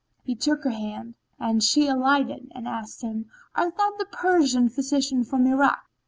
He took her hand, and she alighted and asked him "Art thou the Persian physician from Irak?"